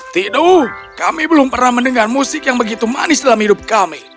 tidu kami belum pernah mendengar musik yang begitu manis dalam hidup kami